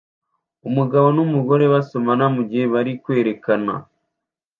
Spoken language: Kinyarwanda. Umugabo numugore basomana mugihe bari kwerekana